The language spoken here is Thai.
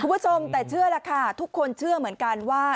คุณผู้ชมแต่เชื่อล่ะค่ะทุกคนเชื่อเหมือนกันว่า